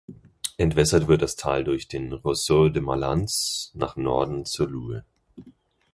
Entwässert wird das Tal durch den "Ruisseau de Malans" nach Norden zur Loue.